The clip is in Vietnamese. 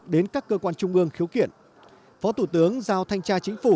đến các cơ quan trung ương khiếu kiện phó thủ tướng giao thanh tra chính phủ